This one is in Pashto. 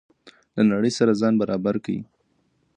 له نړۍ سره ځان برابر کړئ.